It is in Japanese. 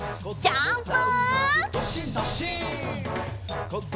ジャンプ！